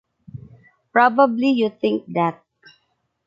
probably you think that